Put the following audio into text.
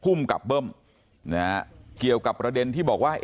ภูมิกับเบิ้มนะฮะเกี่ยวกับประเด็นที่บอกว่า